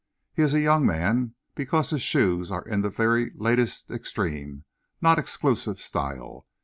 He is a young man because his shoes are in the very latest, extreme, not exclusive style.